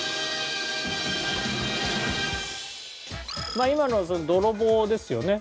まあ今のは泥棒ですよね。